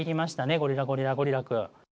ゴリラ・ゴリラ・ゴリラくん。